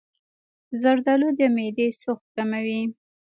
زردآلو د معدې سوخت کموي.